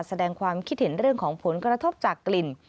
แสดงความคิดเห็นเรื่องของผลกระทบจากกลิ่น